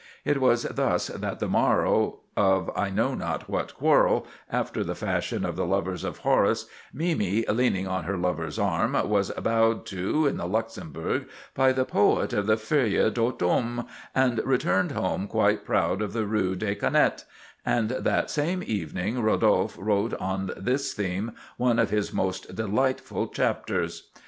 It was thus that the morrow of I know not what quarrel, after the fashion of the lovers of Horace, Mimi, leaning on her lover's arm, was bowed to in the Luxembourg by the poet of the 'Feuilles d'Automne,' and returned home quite proud to the Rue des Canettes; and that same evening Rodolphe wrote on this theme one of his most delightful chapters."